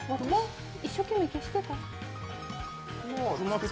一生懸命消してた。